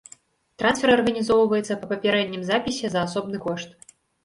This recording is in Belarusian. Трансфер арганізоўваецца па папярэднім запісе за асобны кошт.